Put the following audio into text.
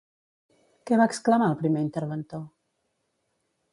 Què va exclamar el primer interventor?